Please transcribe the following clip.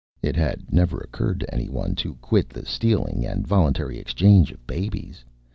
It had never occurred to anyone to quit the stealing and voluntary exchange of babies.